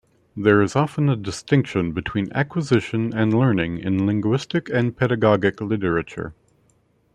There is often a distinction between acquisition and learning in linguistic and pedagogic literature.